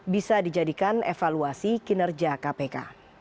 bisa dijadikan evaluasi kinerja kpk